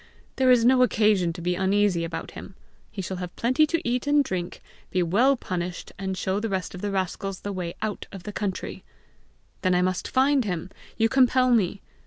There is no occasion to be uneasy about him! He shall have plenty to eat and drink, be well punished, and show the rest of the rascals the way out of the country!" "Then I must find him! You compel me!"